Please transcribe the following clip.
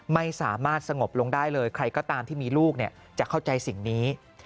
ไม่สามารถสงบลงได้เลยใครก็ตามที่มีลูกจะเข้าใจสิ่งนี้